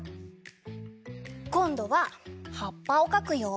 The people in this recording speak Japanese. こんどははっぱをかくよ。